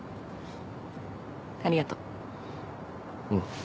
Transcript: ありがとう。